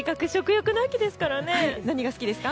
何が好きですか？